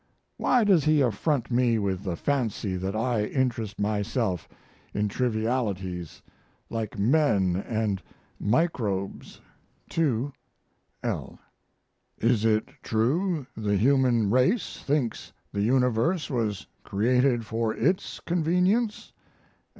Why does he affront me with the fancy that I interest Myself in trivialities like men and microbes? II. L. Is it true the human race thinks the universe was created for its convenience?